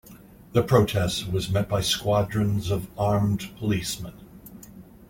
The protest was met by squadrons of armed policemen.